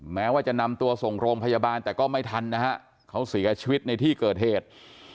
แม้ว่าจะนำตัวส่งโรงพยาบาลแต่ก็ไม่ทันนะฮะเขาเสียชีวิตในที่เกิดเหตุ